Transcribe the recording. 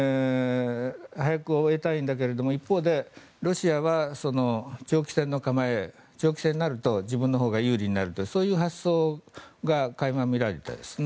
早く終えたいんだけど一方でロシアは長期戦の構え長期戦になると自分のほうが有利になるというそういう発想が垣間見られましたね。